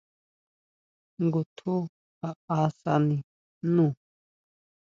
Ngutjun jaʼásani nú.